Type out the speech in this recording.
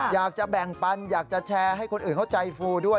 อยากจะแบ่งปันอยากจะแชร์ให้คนอื่นเขาใจฟูด้วย